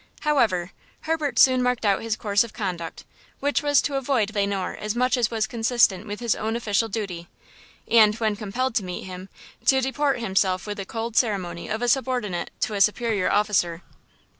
However, Herbert soon marked out his course of conduct, which was to avoid Le Noir as much as was consistent with his own official duty, and, when compelled to meet him, to deport himself with the cold ceremony of a subordinate to a superior officer.